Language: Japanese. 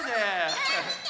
みてみて！